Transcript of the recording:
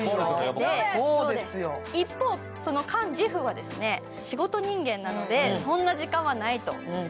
一方、カン・ジフは仕事人間なので、そんな時間はないと。